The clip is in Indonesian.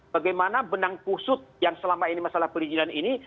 bagaimana benang kusut yang selama ini masalah perizinan ini